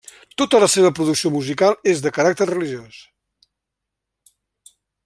Tota la seva producció musical és de caràcter religiós.